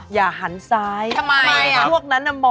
อย่าหันซ้ายทำไม